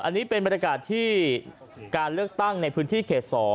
อันนี้เป็นบรรยากาศที่การเลือกตั้งในพื้นที่เขต๒